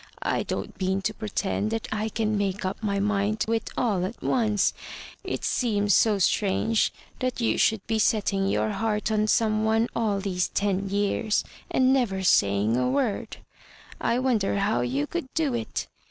"I don't mean to pretend that I can make up my mind to it all at once. It seems so strange that you should have been set ting your heart on some one all these ten years, and never saying a word ; I wonder how you could do it.